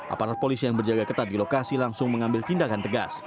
aparat polisi yang berjaga ketat di lokasi langsung mengambil tindakan tegas